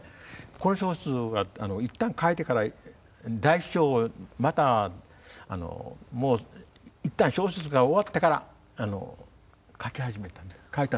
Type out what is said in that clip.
この小説はいったん書いてから第一章をまたもういったん小説が終わってから書き始めた書いたんです。